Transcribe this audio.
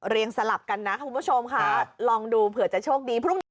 เรียงสลับกันนะคุณผู้ชมค่ะลองดูเผื่อจะโชคดี